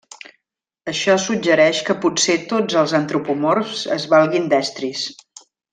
Això suggereix que potser tots els antropomorfs es valguin d'estris.